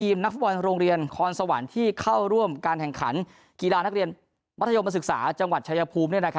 นักฟุตบอลโรงเรียนคอนสวรรค์ที่เข้าร่วมการแข่งขันกีฬานักเรียนมัธยมศึกษาจังหวัดชายภูมิ